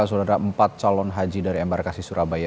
sudah ada empat calon haji dari embarkasi surabaya